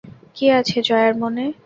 কী আছে জয়ার মনে?